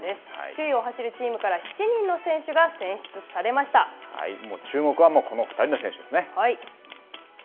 首位を走るチームから７人の選手注目はこの２人の選手ですね。